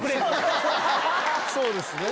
そうですね。